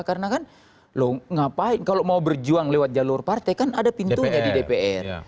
karena kan kalau mau berjuang lewat jalur partai kan ada pintunya di dpr